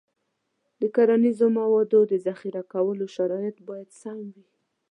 د کرنیزو موادو د ذخیره کولو شرایط باید سم وي.